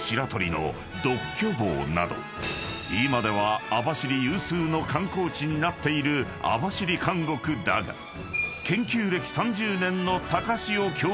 ［今では網走有数の観光地になっている網走監獄だが研究歴３０年の高塩教授は言う］